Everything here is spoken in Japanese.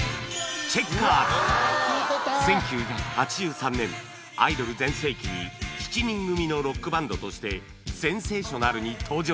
１９８３年アイドル全盛期に７人組のロックバンドとしてセンセーショナルに登場